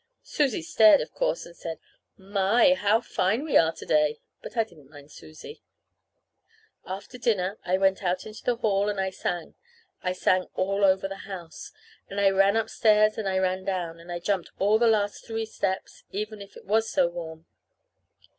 Susie stared, of course and said, "My, how fine we are to day!" But I didn't mind Susie. After dinner I went out into the hall and I sang; I sang all over the house. And I ran upstairs and I ran down; and I jumped all the last three steps, even if it was so warm.